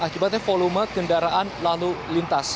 akibatnya volume kendaraan lalu lintas